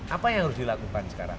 apa yang harus dilakukan sekarang